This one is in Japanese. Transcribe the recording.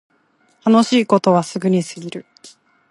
楽しいことはすぐに過ぎる